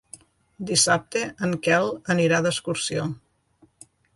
Dissabte en Quel anirà d'excursió.